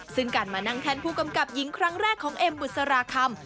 ซึ่งการมานั่งแท่นผู้กำกับหญิงครั้งแรกของเอ็มบุษราคำ